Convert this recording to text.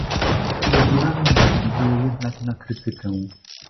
Regulamin zasługuje jednak na krytykę